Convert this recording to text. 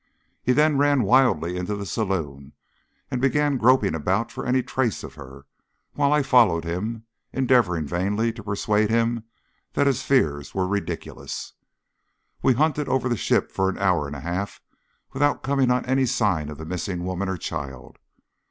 He then ran wildly into the saloon and began groping about for any trace of her, while I followed him, endeavouring vainly to persuade him that his fears were ridiculous. We hunted over the ship for an hour and a half without coming on any sign of the missing woman or child.